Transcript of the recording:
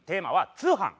「通販」。